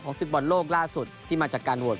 ของ๑๐บอลโลกราชสุดที่มาจากการโหวต